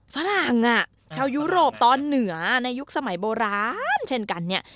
ฝรั่งอ่ะชาวยุโรปตอนเหนือในยุคสมัยโบราณเช่นกันเนี่ย